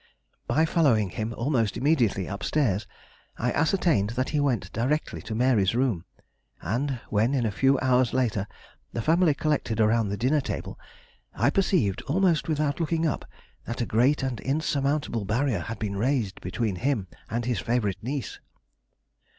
By following him almost immediately up stairs I ascertained that he went directly to Mary's room, and when in a few hours later the family collected around the dinner table, I perceived, almost without looking up, that a great and insurmountable barrier had been raised between him and his favorite niece.